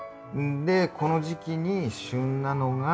でこの時期に旬なのが。